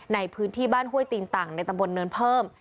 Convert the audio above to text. ในพื้นที่บ้านห้วยตีนต่างในตำบลเนินเพิ่ม